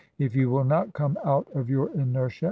If you will not come out of your inertia